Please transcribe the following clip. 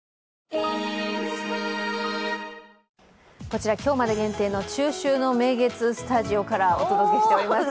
こちら、今日まで限定の中秋の名月スタジオからお送りしています。